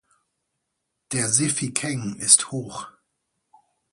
Der Sefikeng ist hoch.